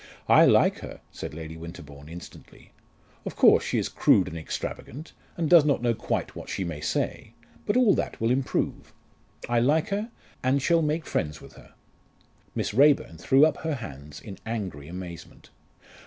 "I like her," said Lady Winterbourne, instantly. "Of course she is crude and extravagant, and does not know quite what she may say. But all that will improve. I like her, and shall make friends with her." Miss Raeburn threw up her hands in angry amazement.